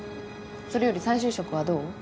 それより再就職はどう？